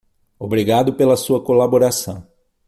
Obrigado pela sua colaboração.